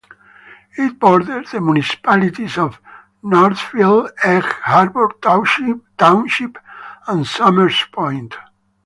It borders the municipalities of Northfield, Egg Harbor Township and Somers Point.